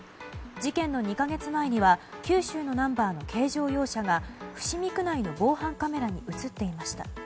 事件の２か月前には九州のナンバーの軽乗用車が伏見区内の防犯カメラに映っていました。